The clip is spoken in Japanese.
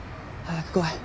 早く来い。